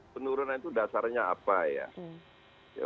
penurunan itu dasarnya apa ya